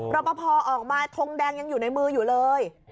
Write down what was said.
รอปภออกมาทงแดงยังอยู่ในมืออยู่เลย